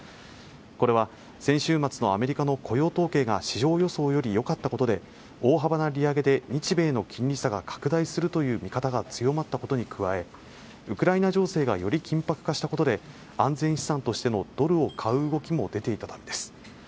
これは先週末のアメリカの雇用統計が市場予想よりよかったことで大幅な利上げで日米の金利差が拡大するという見方が強まったことに加えウクライナ情勢がより緊迫化したことで安全資産としてのドルを買う動きも出ていたためです